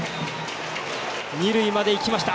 二塁まで行きました。